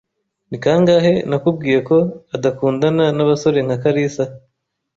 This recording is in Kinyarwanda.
Ni kangahe nakubwiye ko udakundana nabasore nka kalisa?